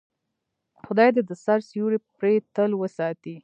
خدای دې د سر سیوری پرې تل وساتي.